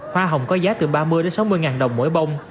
hoa hồng có giá từ ba mươi sáu mươi ngàn đồng mỗi bông